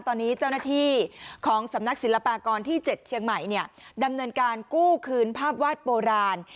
ตอนนี้เจ้าหน้าที่ของสำนักศิลปากรที่๗เชียงใหม่ดำเนินการกู้คืนภาพวาดโบราณ